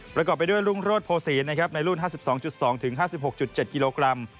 ประกอบไปด้วยรุ่งโรธโภษีนะครับในรุ่น๕๒๒๕๖๗กิโลกรัม